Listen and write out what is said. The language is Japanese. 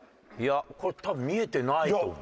これ多分見えてないと思う。